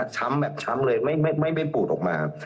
แบบช้ำเลยไม่ปูดออกมา